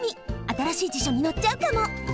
あたらしい辞書にのっちゃうかも！